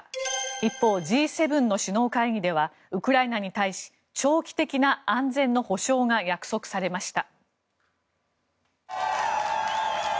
一方、Ｇ７の首脳会議ではウクライナに対し長期的な安全の保障が約束されました。